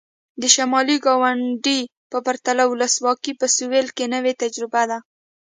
د شمالي ګاونډي په پرتله ولسواکي په سوېل کې نوې تجربه ده.